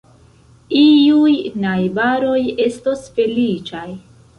Iuj najbaroj estos feliĉaj.